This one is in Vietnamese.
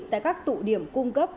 tại các tụ điểm cung cấp